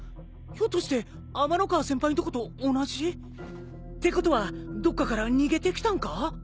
ひょっとして天ノ河先輩んとこと同じ？ってことはどっかから逃げてきたんか？